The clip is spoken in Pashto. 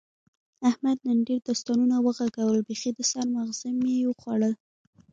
احمد نن ډېر داستانونه و غږول، بیخي د سر ماغز مې یې وخوړل.